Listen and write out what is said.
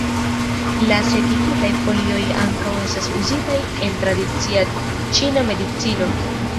La sekigitaj folioj ankaŭ estas uzitaj en tradicia ĉina medicino.